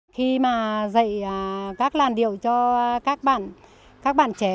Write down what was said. khi mà dạy các làn điệu cho các bạn trẻ